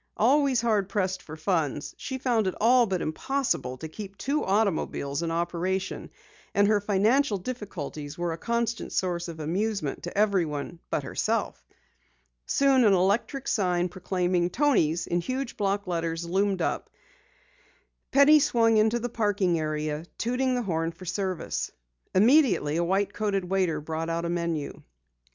Always hard pressed for funds, she found it all but impossible to keep two automobiles in operation, and her financial difficulties were a constant source of amusement to everyone but herself. Soon, an electric sign proclaiming "Toni's" in huge block letters loomed up. Penny swung into the parking area, tooting the horn for service. Immediately a white coated waiter brought out a menu.